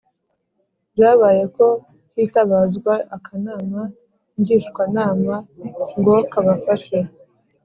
Byabaye ko hitabazwa akanama Ngishwanama ngo kabafashe